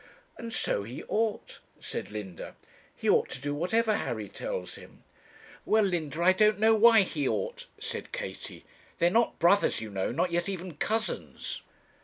'And so he ought,' said Linda. 'He ought to do whatever Harry tells him.' 'Well, Linda, I don't know why he ought,' said Katie. 'They are not brothers, you know, nor yet even cousins.'